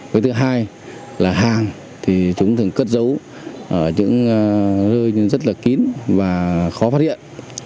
cái thứ hai là hàng thì chúng thường cất dấu ở những nơi rất là kín và khó phát hiện